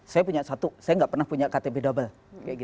saya punya satu saya nggak pernah punya ktp double